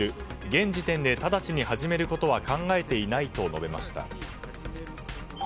現時点で直ちに始めることは考えていないと述べました。